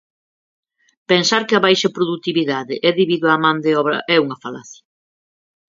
Pensar que a baixa produtividade é debido á man de obra é unha falacia